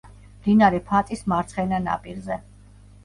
მდინარე ფაწის მარცხენა ნაპირზე.